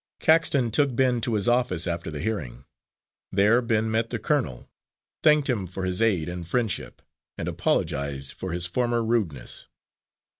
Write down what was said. Caxton took Ben to his office after the hearing. There Ben met the colonel, thanked him for his aid and friendship, and apologised for his former rudeness.